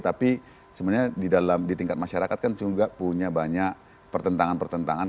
tapi sebenarnya di tingkat masyarakat kan juga punya banyak pertentangan pertentangan